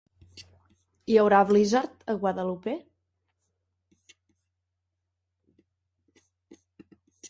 Hi haurà blizzard a Guadalupe?